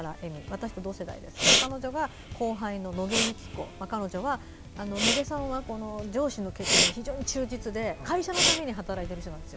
私と同世代の彼女が後輩の野毛由紀子野毛さんは上司の決定に非常に忠実で会社のために働いている人です。